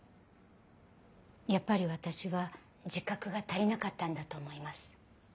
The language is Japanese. やっぱり私は自覚が足りなかったんだと思います。